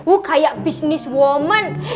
uh kayak bisnis woman